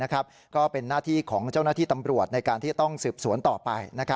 ก็เป็นหน้าที่ของเจ้าหน้าที่ตำรวจในการที่จะต้องสืบสวนต่อไป